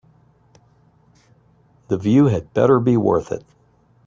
The view had better be worth it.